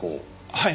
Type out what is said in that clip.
はい。